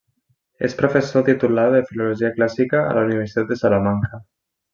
És professor titular de Filologia Clàssica a la Universitat de Salamanca.